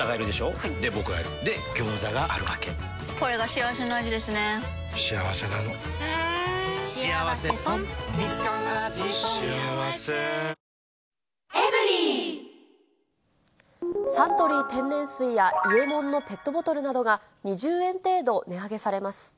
値下げはすごくありがたいでサントリー天然水や伊右衛門のペットボトルなどが、２０円程度値上げされます。